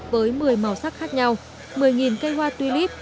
với một mươi màu sắc khác nhau một mươi cây hoa tulip